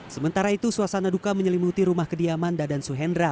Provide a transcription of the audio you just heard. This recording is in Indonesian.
sementara itu suasana duka menyelimuti rumah kediaman dadan suhendra